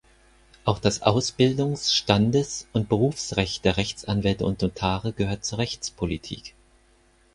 Auch das Ausbildungs-, Standes- und Berufsrecht der Rechtsanwälte und Notare gehört zur Rechtspolitik.